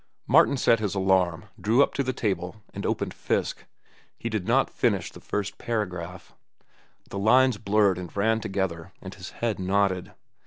Martin set his alarm, drew up to the table, and opened Fiske. He did not finish the first paragraph. The lines blurred and ran together and his head nodded.